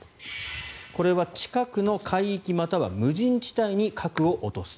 これは近くの海域または無人地帯に核を落とす。